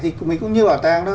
mình cũng như bảo tàng đó